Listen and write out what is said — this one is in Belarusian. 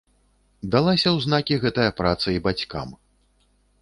Далася ў знакі гэтая праца і бацькам.